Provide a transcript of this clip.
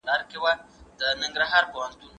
متعصب تل دسیسې ویني